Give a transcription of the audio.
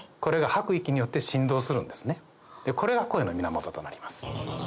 これが声の源となります。